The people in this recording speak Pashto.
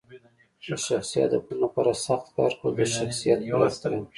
د شخصي هدفونو لپاره سخت کار کول د شخصیت پراختیا ده.